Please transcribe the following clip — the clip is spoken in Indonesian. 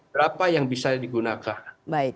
berapa yang bisa digunakan